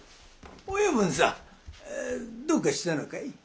親分さんどうかしたのかい？